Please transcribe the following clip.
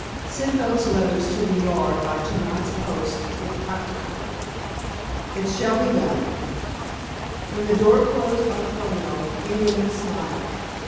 Send those letters to the Yard by to night's post if practicable." "It shall be done." When the door closed on Furneaux, Ingerman smiled.